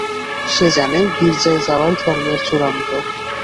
সে জানে, গির্জায় যাওয়াই ধর্মের চূড়ান্ত।